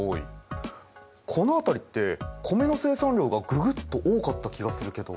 この辺りって米の生産量がググッと多かった気がするけど。